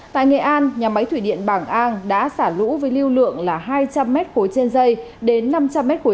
tại nghệ an nhà máy thủy điện bảng an đã xả lũ với lưu lượng là hai trăm linh m khối trên dây đến năm trăm linh m khối trên dây